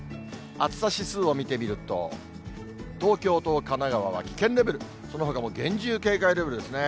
暑さ指数を見てみると、東京と神奈川は危険レベル、そのほかも厳重警戒レベルですね。